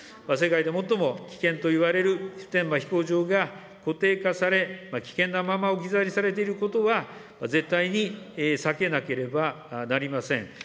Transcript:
世界で最も危険といわれる普天間飛行場が固定化され、危険なまま置き去りにされていることは、絶対に避けなければなりません。